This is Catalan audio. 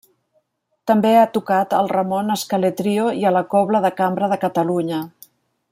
També ha tocat al Ramon Escalé Trio i a la Cobla de Cambra de Catalunya.